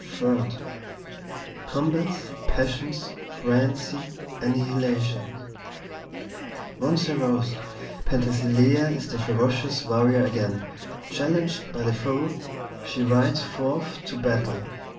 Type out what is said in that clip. "III "COMBATS, PASSIONS, FRENZY, ANNIHILATION "Once aroused, Penthesilea is the ferocious warrior again; challenged by the foe, she rides forth to battle.